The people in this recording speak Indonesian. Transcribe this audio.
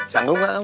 sanggup gak kamu